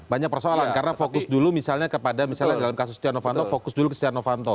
banyak persoalan karena fokus dulu misalnya kepada misalnya dalam kasus setia novanto fokus dulu ke setia novanto